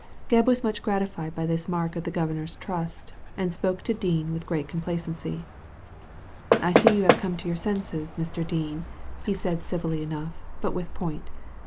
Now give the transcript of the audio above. Gebb was much gratified by this mark of the Governor's trust, and spoke to Dean with great complacency; " I see you have come to your senses, Mr. Dean," he said civilly enough, but with point.